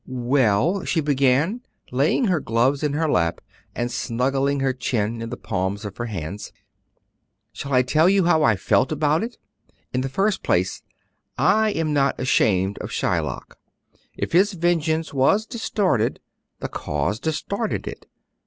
"Well," she began, laying her gloves in her lap and snuggling her chin in the palms of her hands, "shall I tell you how I felt about it? In the first place, I was not ashamed of Shylock; if his vengeance was distorted, the cause distorted it.